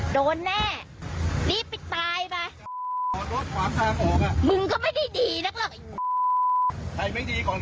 โดนแน่รีบไปตายมึงก็ไม่ได้ดีบอกว่าลุงเขาบอกให้จอด